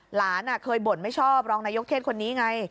หลานเคยบ่นไม่ชอบรองนายกเทศคนนี้ไง